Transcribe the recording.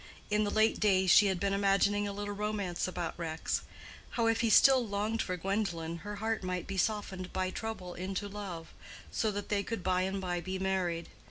In the late days she had been imagining a little romance about Rex—how if he still longed for Gwendolen her heart might be softened by trouble into love, so that they could by and by be married.